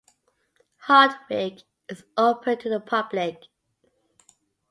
Hardwick is open to the public.